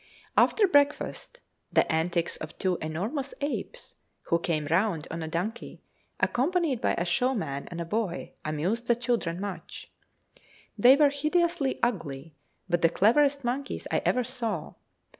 After breakfast, the antics of two enormous apes, who came round on a donkey, accompanied by a showman and a boy, amused the children much. They were hideously ugly, but the cleverest monkeys I ever saw.